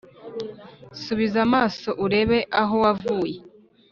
subiza amaso urebe aho wavuye